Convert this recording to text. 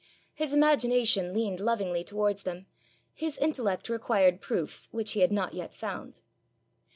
His imagination leaned lovingly towards them; his intellect required proofs which he had not yet found.